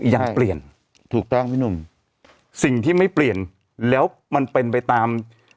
ยังเปลี่ยนถูกต้องพี่หนุ่มสิ่งที่ไม่เปลี่ยนแล้วมันเป็นไปตาม